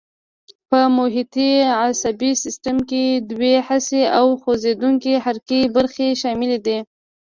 په محیطي عصبي سیستم کې دوې حسي او خوځېدونکي حرکي برخې شاملې دي.